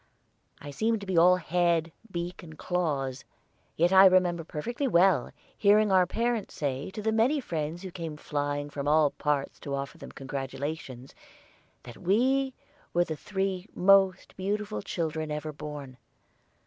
I seemed to be all head, beak, and claws. Yet I remember perfectly well hearing our parents say to the many friends who came flying from all parts to offer them congratulations that we were the three most beautiful children ever born.